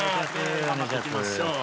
頑張っていきましょう。